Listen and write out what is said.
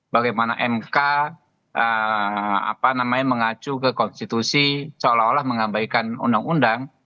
bagaimana mk mengacu ke konstitusi seolah olah mengabaikan undang undang